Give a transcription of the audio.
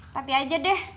tadi aja deh